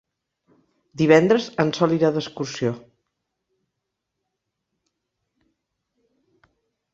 Divendres en Sol irà d'excursió.